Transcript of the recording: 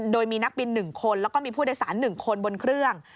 โดยมีนักบิน๑คนแล้วก็มีผู้โดยสาร๑คนบนเครื่อง